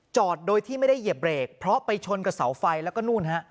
จอดโดยที่ไม่ได้เหยียบเบรกเพราะไปชนกับเสาไฟแล้วก็นู่นฮะ